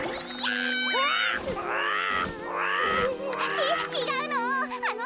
ちちがうの。